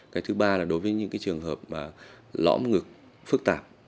cái thứ ba là đối với những cái trường hợp mà lõm ngực phức tạp